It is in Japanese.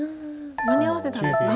間に合わせたんですね。